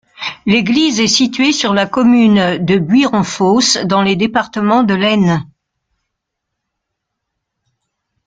L'église est située sur la commune de Buironfosse, dans le département de l'Aisne.